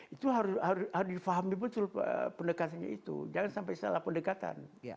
itu harus difahami betul pendekatannya itu jangan sampai salah pendekatan